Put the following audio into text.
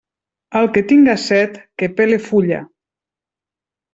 El que tinga set, que pele fulla.